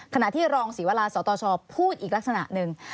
ขณะที่รองศรีวราสตชพูดอีกลักษณะหนึ่ง